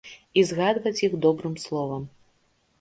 І згадваць іх добрым словам!